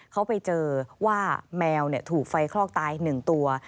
เขาไปเจอว่าแมวถูกไฟคลอกตาย๑ตัว